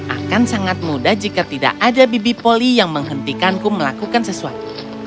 akan sangat mudah jika tidak ada bibi poli yang menghentikanku melakukan sesuatu